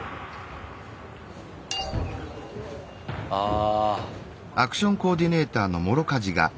ああ。